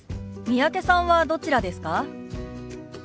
三宅さんはどちらですか？